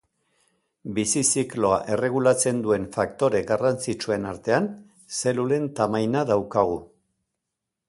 Bizi-zikloa erregulatzen duen faktore garrantzitsuen artean, zelulen tamaina daukagu.